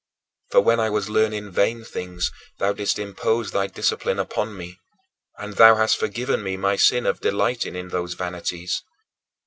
For when I was learning vain things, thou didst impose thy discipline upon me: and thou hast forgiven me my sin of delighting in those vanities.